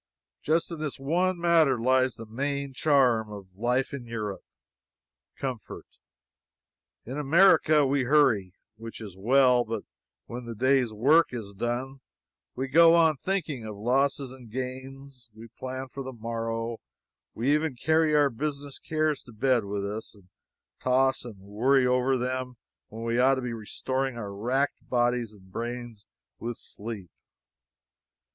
Just in this one matter lies the main charm of life in Europe comfort. In America, we hurry which is well; but when the day's work is done, we go on thinking of losses and gains, we plan for the morrow, we even carry our business cares to bed with us, and toss and worry over them when we ought to be restoring our racked bodies and brains with sleep.